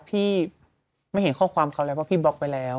พี่ไม่เห็นข้อความเขาแล้วเพราะพี่บล็อกไปแล้ว